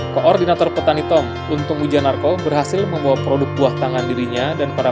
koordinator petani tom untuk ujian narko berhasil membawa produk buah kembali ke bank indonesia